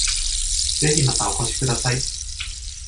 ぜひまたお越しください